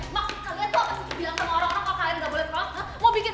mak kalian tuh kasih bilang sama orang orang